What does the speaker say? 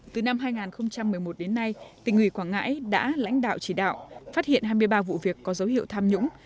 từ năm hai nghìn một mươi một đến nay tỉnh ủy quảng ngãi đã lãnh đạo chỉ đạo phát hiện hai mươi ba vụ việc có dấu hiệu tham nhũng